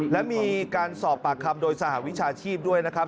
และมีการสอบปากคำโดยสหวิชาชีพด้วยนะครับ